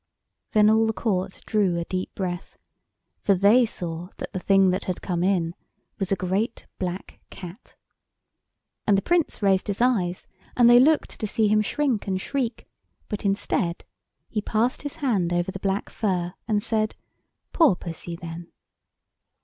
Then all the Court drew a deep breath, for they saw that the thing that had come in was a great black Cat. And the Prince raised his eyes, and they looked to see him shrink and shriek; but instead he passed his hand over the black fur and said— "Poor Pussy, then!"